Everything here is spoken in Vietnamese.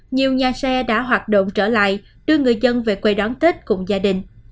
nhiều nhà xe đã hoạt động trở lại đưa người dân về quê đón tết cùng gia đình